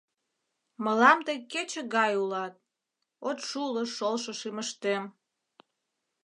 Мылам тый кече гай улат, От шуло шолшо шӱмыштем.